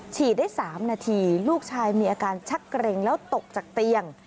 ฉีดได้๓นาทีลูกชายมีอาการชักเกร็งแล้วตกจากเตียง